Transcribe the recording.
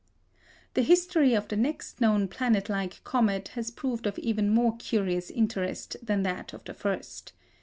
The history of the next known planet like comet has proved of even more curious interest than that of the first.